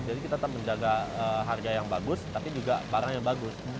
jadi kita tetap menjaga harga yang bagus tapi juga barang yang bagus